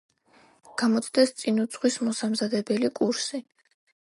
გამოცდას წინ უძღვის მოსამზადებელი კურსი.